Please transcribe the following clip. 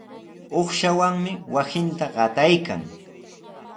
Uqshawanmi wasinta qataykan.